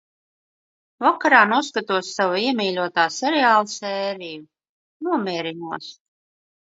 Vakarā noskatos sava iemīļotā seriāla sēriju. Nomierinos.